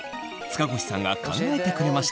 塚越さんが考えてくれました。